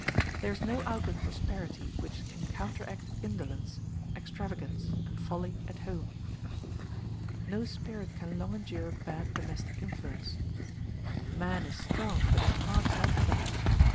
There is no outward prosperity which can counteract indolence, extravagance, and folly at home. No spirit can long endure bad domestic influence. Man is strong, but his heart is not adamant.